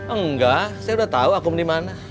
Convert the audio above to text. enggak saya udah tau akum dimana